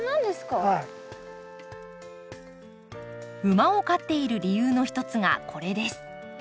馬を飼っている理由の一つがこれです。